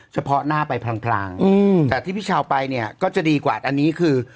เฉพาะหน้าไปพลางแต่ที่พี่ชาวไปเนี่ยก็จะดีกว่าอันนี้คือ